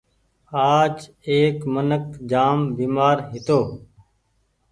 آج ايڪ منک جآم بيمآر هيتو